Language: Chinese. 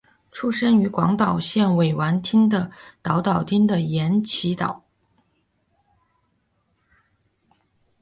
出生于广岛县尾丸町的岛岛町的岩崎岛。